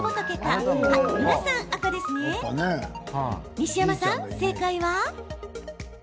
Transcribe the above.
西山さん、正解は。